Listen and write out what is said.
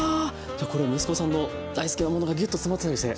これ息子さんの大好きなものがギュッと詰まってたりして。